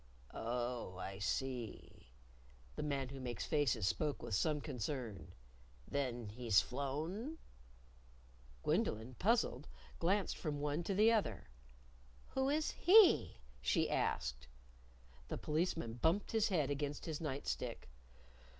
"Oh, I see." The Man Who Makes Faces spoke with some concern. "Then he's flown?" Gwendolyn, puzzled, glanced from one to the other. "Who is 'he'?" she asked. The Policeman bumped his head against his night stick.